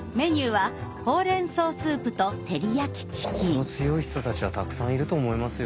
今回の心強い人たちはたくさんいると思いますよ。